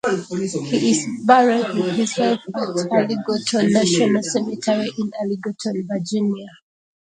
He is buried with his wife at Arlington National Cemetery in Arlington, Virginia.